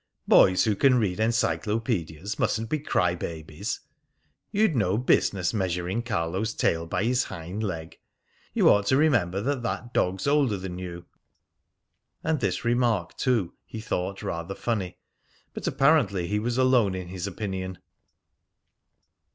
"Boys who can read enyclopedias mustn't be cry babies. You'd no business measuring Carlo's tail by his hind leg. You ought to remember that that dog's older than you." And this remark, too, he thought rather funny, but apparently he was alone in his opinion.